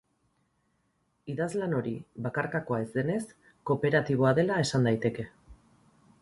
Idazlan hori, bakarkakoa ez denez, kooperatiboa dela esan daiteke.